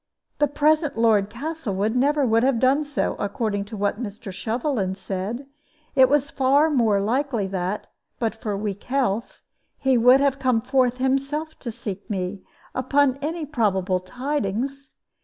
The present Lord Castlewood never would have done so, according to what Mr. Shovelin said; it was far more likely that (but for weak health) he would have come forth himself to seek me, upon any probable tidings.